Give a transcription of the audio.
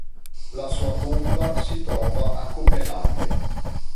La sua tomba si trova a Copenaghen.